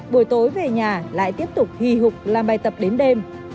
buổi tối về nhà lại tiếp tục hì hục làm bài tập đến đêm